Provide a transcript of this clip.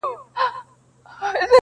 په گيلاس او په ساغر دي اموخته کړم.